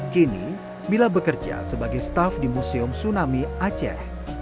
kini mila bekerja sebagai staff di museum tsunami aceh